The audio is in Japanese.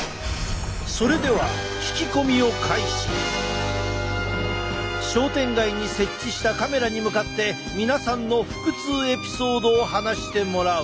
それでは商店街に設置したカメラに向かって皆さんの腹痛エピソードを話してもらう。